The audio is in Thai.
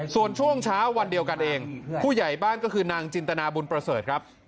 ส่วนช่วงเช้าวันเดียวกันเองผู้ใหญ่บ้านก็คือนางจินตนาบุญประเสริฐครับ